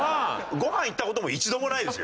ごはん行った事も一度もないですよ。